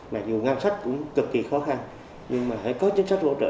mặc dù ngân sách cũng cực kỳ khó khăn nhưng mà phải có chính sách hỗ trợ